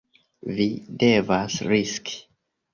Vi devas riski.